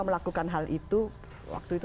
melakukan hal itu waktu itu